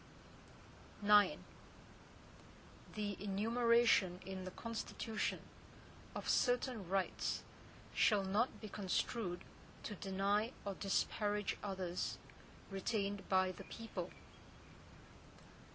IX The enumeration in the Constitution, of certain rights, shall not be construed to deny or disparage others retained by the people.